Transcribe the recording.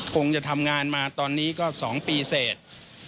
คงจะทำงานมาตอนนี้ก็๒ปีเสร็จ